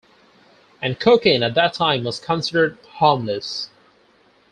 And cocaine at that time was considered harmless.